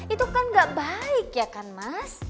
itu kan gak baik ya kan mas